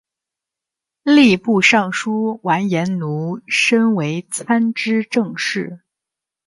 吏部尚书完颜奴申为参知政事。